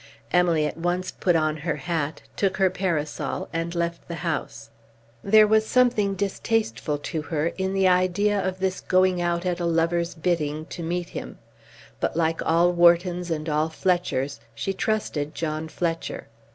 Emily at once put on her hat, took her parasol, and left the house. There was something distasteful to her in the idea of this going out at a lover's bidding, to meet him; but like all Whartons and all Fletchers, she trusted John Fletcher.